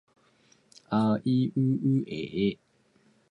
He speaks both English and Spanish fluently.